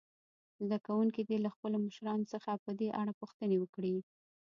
زده کوونکي دې له خپلو مشرانو څخه په دې اړه پوښتنې وکړي.